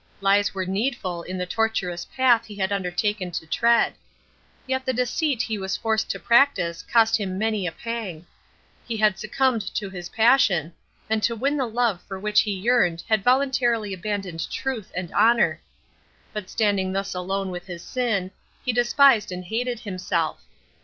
Lies were needful in the tortuous path he had undertaken to tread. Yet the deceit he was forced to practise cost him many a pang. He had succumbed to his passion, and to win the love for which he yearned had voluntarily abandoned truth and honour; but standing thus alone with his sin, he despised and hated himself.